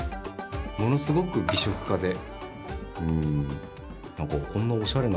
ものすごく美食家で。